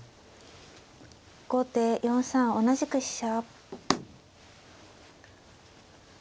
後手４三同じく飛車。